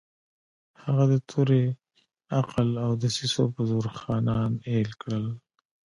هغه د تورې، عقل او دسیسو په زور خانان اېل کړل.